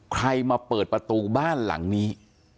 ใครมาเปิดประตูบ้านหลังนี้